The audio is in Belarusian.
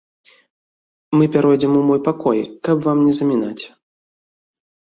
Мы пяройдзем у мой пакой, каб вам не замінаць.